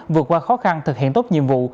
vượt qua khó khăn thực hiện tốt nhiệm vụ